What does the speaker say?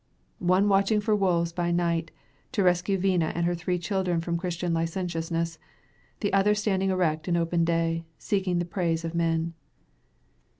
One watching for wolves by night, to rescue Vina and her three children from Christian licentiousness; the other standing erect in open day, seeking the praise of men.